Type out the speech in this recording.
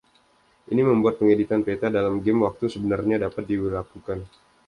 Ini membuat pengeditan peta dalam game waktu sebenarnya dapat dilakukan.